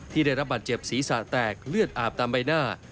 ได้รับบาดเจ็บศีรษะแตกเลือดอาบตามใบหน้า